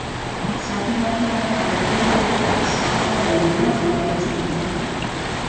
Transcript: Zati batean, kanal berriak, zaharraren bidea jarraitzen du.